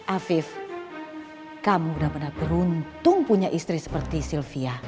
afif kamu udah pernah beruntung punya istri seperti sylvia